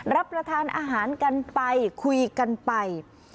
รับประทานอาหารกันไปคุยกันไป